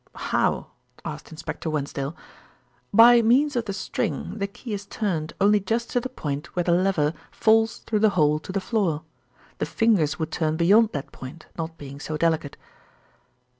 "How?" asked Inspector Wensdale. "By means of the string the key is turned only just to the point where the lever falls through the hole to the floor. The fingers would turn beyond that point, not being so delicate."